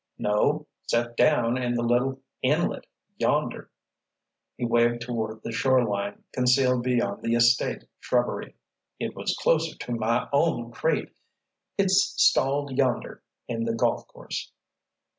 "No. Set down in the little inlet, yonder." He waved toward the shoreline concealed beyond the estate shrubbery. "It was closer to my own crate—it's stalled yonder in the golf course."